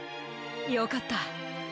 よかった。